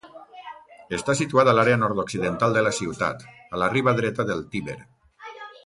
Està situat a l'àrea nord-occidental de la ciutat, a la riba dreta del Tíber.